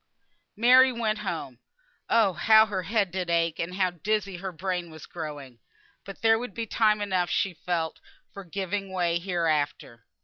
Mary went home. Oh! how her head did ache, and how dizzy her brain was growing! But there would be time enough she felt for giving way, hereafter.